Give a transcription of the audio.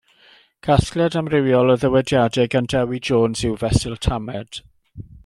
Casgliad amrywiol o ddywediadau gan Dewi Jones yw Fesul Tamaid.